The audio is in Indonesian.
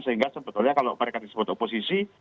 sehingga sebetulnya kalau mereka disebut oposisi